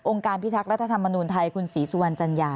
การพิทักษ์รัฐธรรมนูญไทยคุณศรีสุวรรณจัญญา